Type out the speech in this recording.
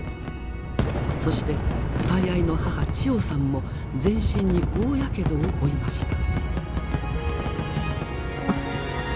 そして最愛の母チヨさんも全身に大やけどを負いました。